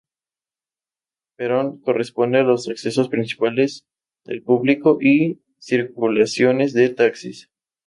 Perón, corresponde a los accesos principales del público y circulaciones de taxis.